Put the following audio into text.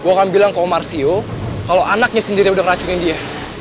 gue akan bilang ke omar sio kalau anaknya sendiri udah keracunin dia